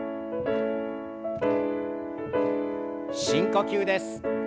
深呼吸です。